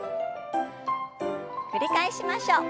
繰り返しましょう。